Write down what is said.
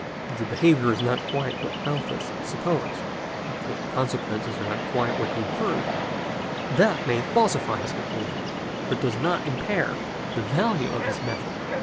If the behaviour is not quite what Malthus supposed, if the consequences are not quite what he inferred, that may falsify his conclusions, but does not impair the value of his method.